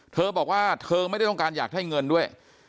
เธอบอกว่าเธอไม่ได้ต้องการอยากได้เงินด้วย